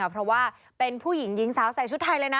เพราะว่าเป็นผู้หญิงหญิงสาวใส่ชุดไทยเลยนะ